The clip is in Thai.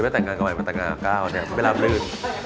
ตั้งแต่งงานกลับใหม่มาตั้งงานกล้าวเนี่ยไม่รับลื่น